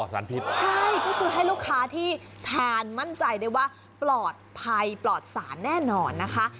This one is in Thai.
สารพิษใช่ก็คือให้ลูกค้าที่ทานมั่นใจได้ว่าปลอดภัยปลอดสารแน่นอนนะคะ